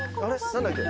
何だっけ？